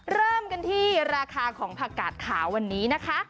เริ่มกันที่ราคาของผักกาดขาววันนี้นะคะ